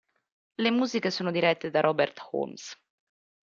Le musiche sono dirette da Robert Holmes.